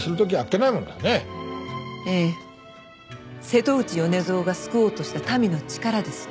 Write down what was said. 瀬戸内米蔵が救おうとした民の力です。